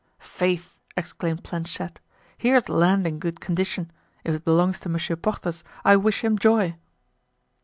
"Faith!" exclaimed Planchet, "here's land in good condition; if it belongs to Monsieur Porthos I wish him joy."